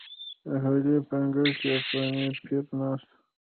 د حویلۍ په انګړ کې افغاني پیر ناست و.